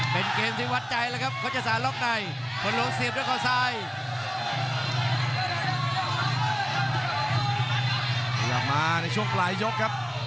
เป็นเกมที่วัดใจละครับก็จะสารล๊อคไนท์คนหลวงเสียบในคอ